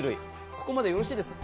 ここまでよろしいですか。